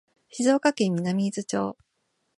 静岡県南伊豆町